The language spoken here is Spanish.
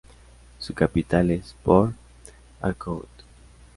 Su capital es Port Harcourt.